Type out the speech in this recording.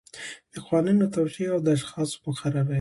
د قوانینو توشیح او د اشخاصو مقرري.